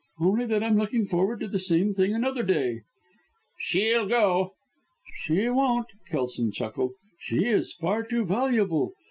"Only that I'm looking forward to the same thing another day." "She'll go!" "She won't," Kelson chuckled. "She is far too valuable.